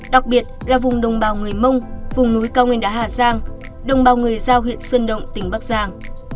đặc biệt là vùng đồng bào người mông vùng núi cao nguyên đá hà giang đồng bào người giao huyện sơn động tỉnh bắc giang